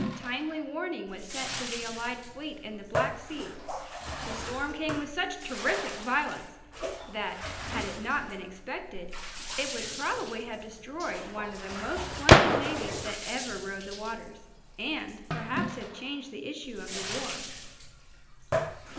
Timely warning was sent to the allied fleet in the Black Sea. The storm came with such terrific violence that, had it not been expected, it would probably have destroyed one of the most splendid navies that ever rode the waters, and perhaps have changed the issue of the war."